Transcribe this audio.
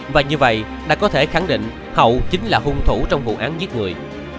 và như vậy đã có thể khẳng định hậu chính là hung thủ trong vụ án giết người